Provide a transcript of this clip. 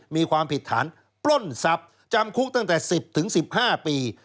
มีความผิดฐานปล้นทรัพย์จำคุกตั้งแต่๑๐๑๕ปี